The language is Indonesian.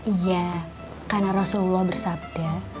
iya karena rasulullah bersabda